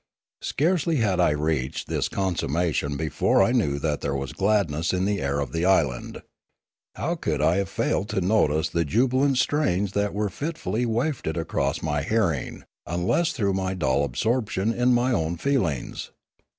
Scarcely had I reached this consummation before I knew that there was gladness in the air of the island. How could I have failed to notice the jubilant strains that were fitfully wafted across my hearing, unless through my dull absorption in my own feelings